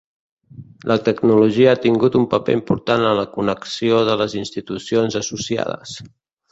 La tecnologia ha tingut un paper important en la connexió de les institucions associades.